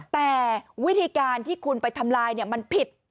แต่วิธีการที่คุณไปทำลายมันผิด